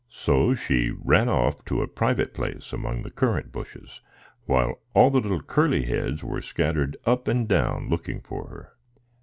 So she ran off to a private place among the currant bushes, while all the little curly heads were scattered up and down looking for her.